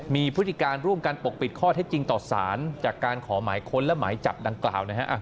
มีพฤติการร่วมกันปกปิดข้อเท็จจริงต่อสารจากการขอหมายค้นและหมายจับดังกล่าวนะฮะ